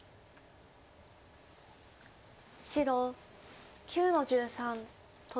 白９の十三トビ。